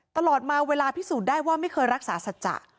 ตลอดมาเวลาพิสูจน์ได้ว่าไม่เคยรักษาสัจจะ